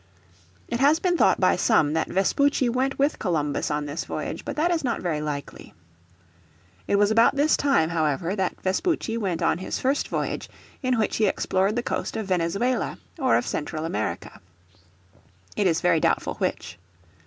It has been thought by some that Vespucci went with Columbus on this voyage, but that is not very likely. It was about this time, however, that Vespucci went on his first voyage in which he explored the coast of Venezuela or of Central America. It is very doubtful which.